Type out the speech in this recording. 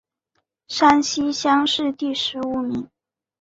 山西乡试第十五名。